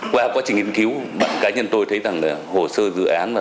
qua quá trình nghiên cứu cá nhân tôi thấy rằng là hồ sơ dự án